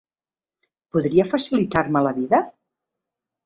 Podria facilitar-me la vida?